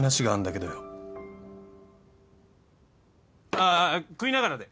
あああ食いながらで。